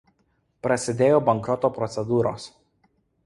Prasidėjo bankroto procedūros.